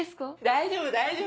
大丈夫大丈夫！